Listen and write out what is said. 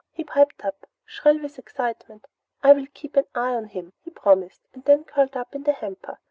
he piped up, shrill with excitement. "I'll keep my eye on him!" he promised, and then curled up in the hamper.